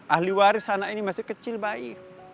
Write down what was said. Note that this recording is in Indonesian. ahli waris anak ini masih kecil bayi